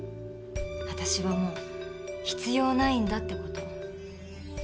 私はもう必要ないんだって事。